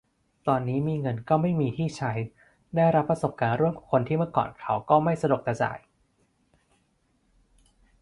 ตอนนี้มีเงินก็ไม่มีที่ใช้ ได้รับประสบการณ์ร่วมกับคนที่เมื่อก่อนเขาก็ไม่สะดวกจะจ่าย